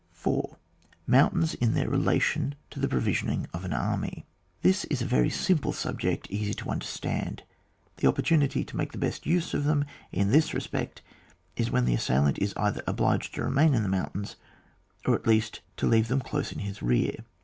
4. Mountain in their relation to the prO" visioning an army. This is a very simple subject, easy to understand. The . opportunity to make the best use of them in this respect is when the assailant is either obliged to remain in the mountains, or at least to leave them close in his rear.